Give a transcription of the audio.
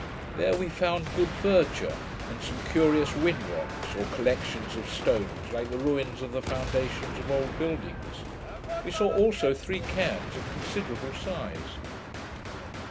There we found good verdure, and some curious whin rocks, or collections of stones like the ruins of the foundations of old buildings. We saw also three cairns of considerable size.